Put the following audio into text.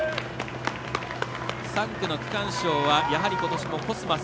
３区の区間賞はやはり、ことしもコスマス。